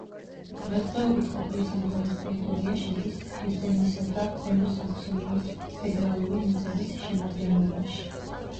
დღესდღეობით ყოფილი სამთავროს ტერიტორია შედის ჰესენისა და ქვემო საქსონიის ფედერალური მიწების შემადგენლობაში.